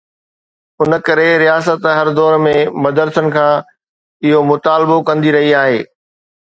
ان ڪري رياست هر دور ۾ مدرسن کان اهو مطالبو ڪندي رهي آهي.